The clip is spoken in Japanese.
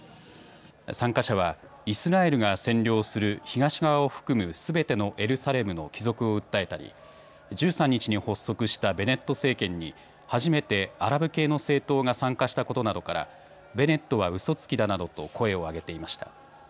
参加者はイスラエルが占領する東側を含むすべてのエルサレムの帰属を訴えたり１３日に発足したベネット政権に初めてアラブ系の政党が参加したことなどからベネットはうそつきだなどと声を上げていました。